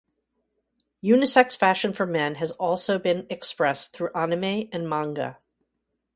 Unisex fashion for men has also been expressed through anime and manga.